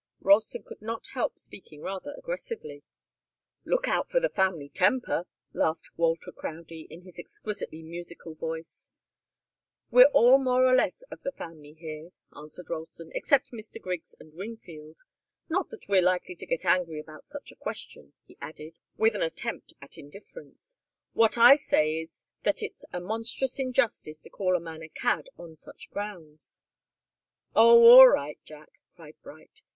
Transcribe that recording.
Ralston could not help speaking rather aggressively. "Look out for the family temper!" laughed Walter Crowdie, in his exquisitely musical voice. "We're all more or less of the family here," answered Ralston, "except Mr. Griggs and Wingfield. Not that we're likely to get angry about such a question," he added, with an attempt at indifference. "What I say is that it's a monstrous injustice to call a man a cad on such grounds." "Oh all right, Jack!" cried Bright.